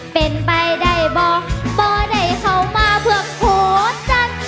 เป็นไปได้บ่บ่ได้เข้ามาเพื่อโหจันทร์